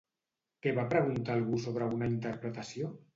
Què va preguntar algú sobre una interpretació?